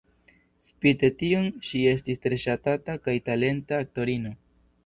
Spite tion, ŝi estis tre ŝatata kaj talenta aktorino.